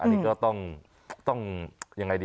อันนี้ก็ต้อง